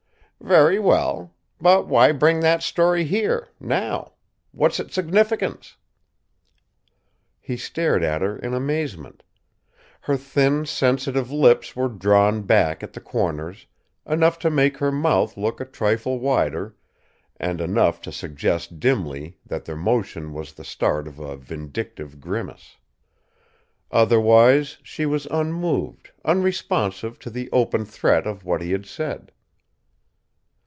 "Very well. But why bring that story here now? What's its significance?" He stared at her in amazement. Her thin, sensitive lips were drawn back at the corners, enough to make her mouth look a trifle wider and enough to suggest dimly that their motion was the start of a vindictive grimace. Otherwise, she was unmoved, unresponsive to the open threat of what he had said.